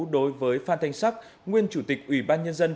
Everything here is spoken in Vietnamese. đối với phan thanh sắc nguyên chủ tịch ủy ban nhân dân